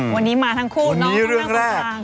วันนี้มาทั้งคู่น้องน้องทั้งต่างวันนี้เรื่องแรก